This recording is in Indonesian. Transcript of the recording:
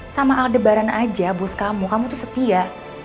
sama aldebaran aja bos kamu kamu tuh setia